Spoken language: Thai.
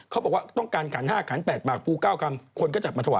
การขัน๕ขัน๘ปากปู๙กรัมคนก็จัดมาถ่วย